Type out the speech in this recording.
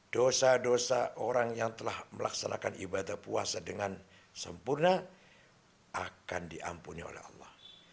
dosa dosa orang yang telah melaksanakan ibadah puasa dengan sempurna akan diampuni oleh allah